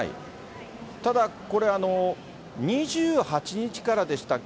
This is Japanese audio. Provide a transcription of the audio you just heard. ただこれ、２８日からでしたっけ？